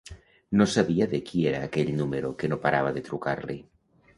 No sabia de qui era aquell número que no parava de trucar-li.